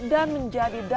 dan menjadi darah